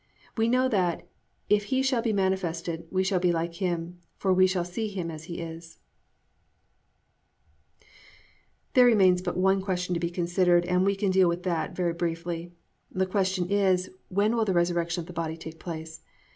We know that, if he shall be manifested, we shall be like him; for we shall see him as he is."+ III. WHEN WILL THE RESURRECTION OF THE BODY TAKE PLACE? There remains but one question to be considered and we can deal with that very briefly. That question is, when will the resurrection of the body take place?